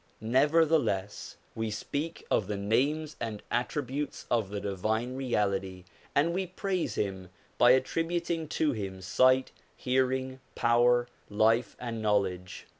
Nevertheless we speak of the names and attributes 170 SOME ANSWERED QUESTIONS of the Divine Reality, and we praise Him by attribut ing to Him sight, hearing, power, life, and knowledge.